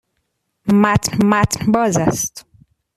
متن باز است.